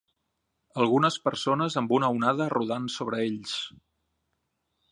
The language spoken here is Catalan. Algunes persones amb una onada rodant sobre ells.